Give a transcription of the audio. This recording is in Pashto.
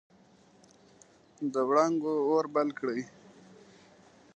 د وړانګو اور بل کړي